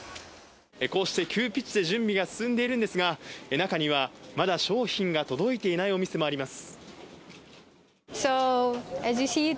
こうして急ピッチで準備が進んでいるんですが、中にはまだ商品が届いていないお店もあります。